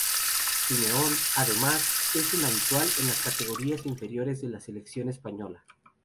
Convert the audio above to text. Simeón, además, es un habitual en las categorías inferiores de la selección española.